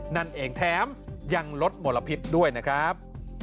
นั่นเองแถมยังลดมลพิษด้วยนะครับ